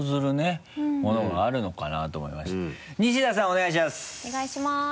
お願いします。